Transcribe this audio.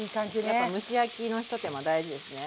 やっぱ蒸し焼きのひと手間大事ですね。